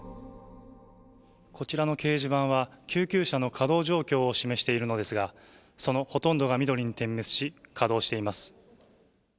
こちらの掲示板は、救急車の稼働状況を示しているのですが、そのほとんどが緑に点滅し、稼働しています。